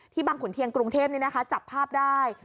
ที่บังขุนเทียงกรุงเทพฯนี่นะคะจับภาพได้